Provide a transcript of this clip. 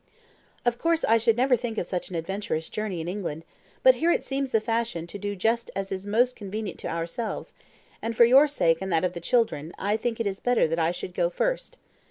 "Of course I should never think of such an adventurous journey in England, but here it seems the fashion to do just as is most convenient to ourselves; and for your sake and that of the children, I think it is better that I should go first.